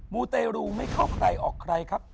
มูเตรูไม่เข้าใครออกใครครับ